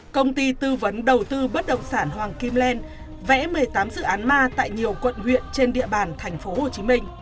công ty tư vấn đầu tư bất động sản hoàng kim len vẽ một mươi tám dự án ma tại nhiều quận huyện trên địa bàn tp hcm